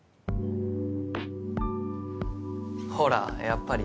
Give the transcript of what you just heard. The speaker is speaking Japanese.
ほらやっぱり。